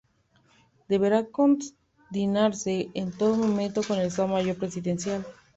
Deberá coordinarse en todo momento con el Estado Mayor Presidencial.